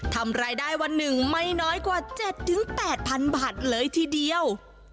ทำรายได้วันหนึ่งไม่น้อยกว่า๗๘๐๐๐บาทเลยทีเดียว